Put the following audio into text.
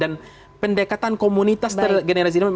dan pendekatan komunitas generasi milenial